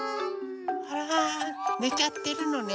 あらねちゃってるのね。